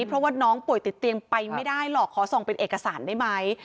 เพราะว่าน้องป่วยติดเตียงไปไม่ได้หรอกขอส่องเป็นเอกสารได้ไหม